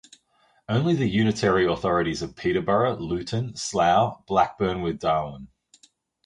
Only the unitary authorities of Peterborough, Luton, Slough, Blackburn with Darwen.